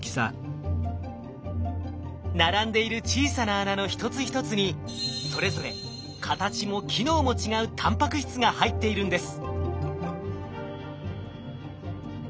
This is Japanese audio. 並んでいる小さな穴の一つ一つにそれぞれ形も機能も違うタンパク質が入っているんです。